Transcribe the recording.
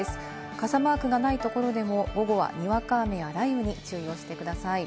傘マークがないところでも、午後はにわか雨や雷雨に注意をしてください。